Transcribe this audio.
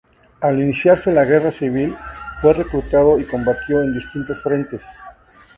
Al iniciarse la Guerra Civil, fue reclutado y combatió en distintos frentes.